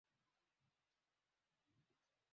angazia juu ya changamoto ya ukosekanaji wa maji